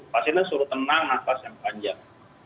pasiennya suruh tenang nafas yang panjang